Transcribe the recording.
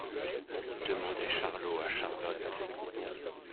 Demandait Charlot à Charlotte.